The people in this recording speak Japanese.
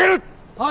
はい！